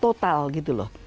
total gitu loh